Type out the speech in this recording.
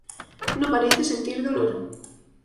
No parece sentir dolor.